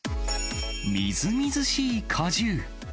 みずみずしい果汁。